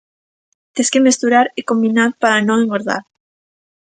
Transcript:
Tes que mesturar e combinar para non engordar.